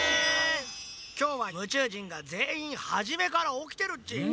きょうはむちゅう人がぜんいんはじめからおきてるっち。